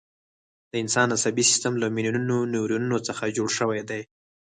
د انسان عصبي سیستم له میلیونونو نیورونونو څخه جوړ شوی دی.